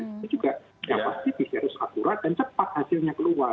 itu juga yang pasti pcr harus akurat dan cepat hasilnya keluar